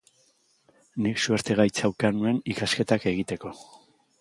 Nik suerte gaitza ukan nuen ikasketak egiteko.